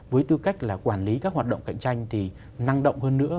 với tư cách là quản lý các hoạt động cạnh tranh thì năng động hơn nữa